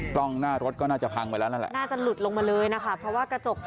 กล้องหน้ารถก็น่าจะพังไปแล้วนั่นแหละน่าจะหลุดลงมาเลยนะคะเพราะว่ากระจก